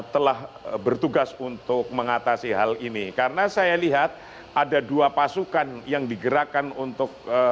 telah bertugas untuk mengatasi hal ini karena saya lihat ada dua pasukan yang digerakkan untuk